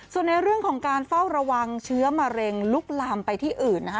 ส่วนในเรื่องของการเฝ้าระวังเชื้อมะเร็งลุกลามไปที่อื่นนะคะ